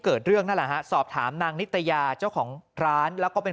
เกิดเรื่องนั่นแหละฮะสอบถามนางนิตยาเจ้าของร้านแล้วก็เป็น